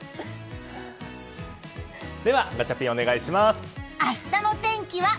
では、ガチャピンお願いします。